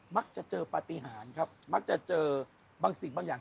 มักจะเจอปฏิหารครับมักจะเจอบางสิ่งบางอย่าง